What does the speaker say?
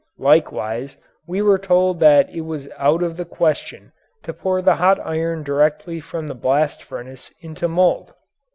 Likewise we were told that it was out of the question to pour the hot iron directly from the blast furnace into mould.